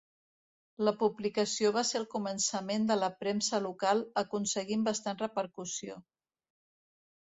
La publicació va ser el començament de la premsa local aconseguint bastant repercussió.